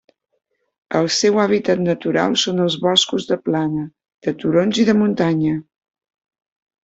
El seu hàbitat natural són els boscos de plana, de turons i de muntanya.